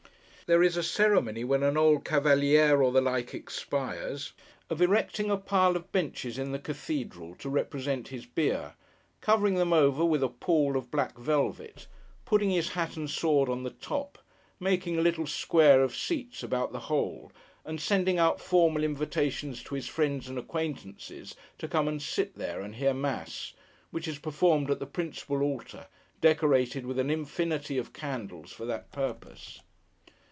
There is a ceremony when an old Cavaliére or the like, expires, of erecting a pile of benches in the cathedral, to represent his bier; covering them over with a pall of black velvet; putting his hat and sword on the top; making a little square of seats about the whole; and sending out formal invitations to his friends and acquaintances to come and sit there, and hear Mass: which is performed at the principal Altar, decorated with an infinity of candles for that purpose.